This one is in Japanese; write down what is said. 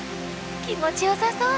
気持ちよさそう！